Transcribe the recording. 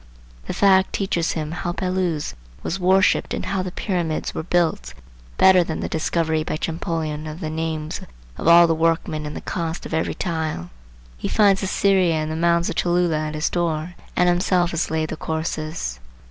The fact teaches him how Belus was worshipped and how the Pyramids were built, better than the discovery by Champollion of the names of all the workmen and the cost of every tile. He finds Assyria and the Mounds of Cholula at his door, and himself has laid the courses.